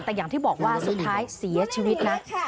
แต่อย่างที่บอกว่าสุดท้ายเสียชีวิตนะ